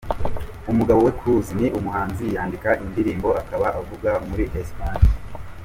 Umugabo we Cruz ni umuhanzi, yandika indirimbo, akaba avuka mur Esipanye.